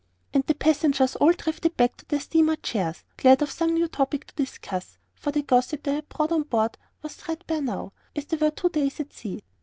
And the passengers all drifted back to their steamer chairs, glad of some new topic to discuss, for the gossip they had brought on board was threadbare now, as they were two days at sea.